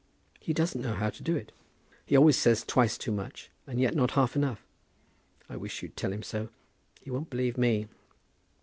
He doesn't know how to do it. He always says twice too much, and yet not half enough. I wish you'd tell him so. He won't believe me."